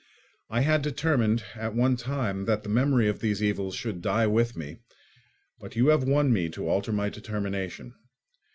I had determined at one time that the memory of these evils should die with me, but you have won me to alter my determination.